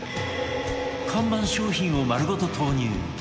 看板商品を丸ごと投入！